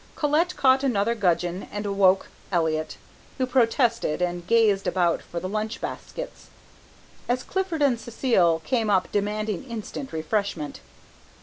Colette caught another gudgeon and awoke Elliott, who protested and gazed about for the lunch baskets, as Clifford and Cécile came up demanding instant refreshment.